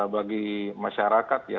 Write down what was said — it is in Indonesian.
bagi masyarakat ya